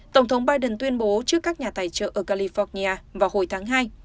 tổng thống biden tuyên bố trước các nhà tài trợ ở california vào hồi tháng hai